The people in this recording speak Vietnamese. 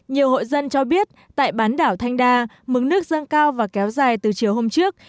nhiều hội dân cho biết tại bán đảo thanh đa mức nước dâng cao và kéo dài từ chiều hôm trước